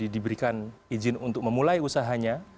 diberikan izin untuk memulai usahanya